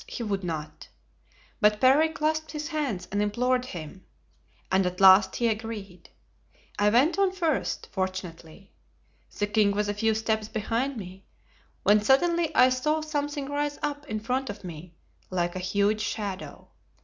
he would not. But Parry clasped his hands and implored him, and at last he agreed. I went on first, fortunately. The king was a few steps behind me, when suddenly I saw something rise up in front of me like a huge shadow.